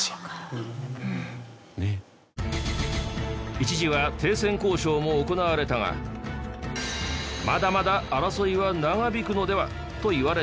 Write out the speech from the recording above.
一時は停戦交渉も行われたがまだまだ争いは長引くのでは？といわれている。